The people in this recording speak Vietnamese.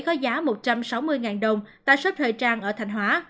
có giá một trăm sáu mươi đồng tại shop thời trang ở thành hóa